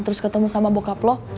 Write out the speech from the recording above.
terus ketemu sama bokap lo